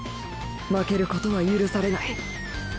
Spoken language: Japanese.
負けることは許されない。